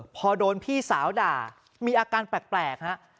พอโดนพี่สาวด่ามีอาการแปลกฮะ